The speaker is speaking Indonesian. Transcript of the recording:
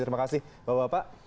terima kasih bapak bapak